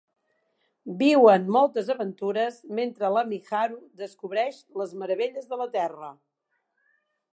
Viuen moltes aventures mentre la Miharu descobreix les meravelles de la Terra.